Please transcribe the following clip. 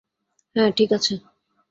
হ্যাঁ, ঠিক আছে।